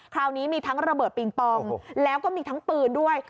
คราวนี้มีทั้งระเบิดปิงปองแล้วก็มีทั้งปืนด้วย